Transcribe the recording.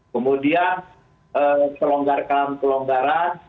kemudian pelonggarkan pelonggaran